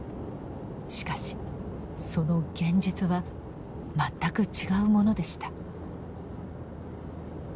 しかしその現実は全く違うものでした。